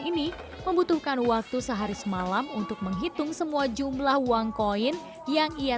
ini membutuhkan waktu sehari semalam untuk menghitung semua jumlah uang koin yang ia